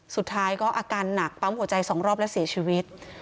สุดท้ายก็อาการหนักปั๊มหัวใจ๒รอบและเสียชีวิต